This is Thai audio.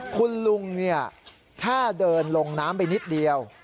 คุณลุงเนี่ยถ้าเดินลงน้ำไปนิดเดียว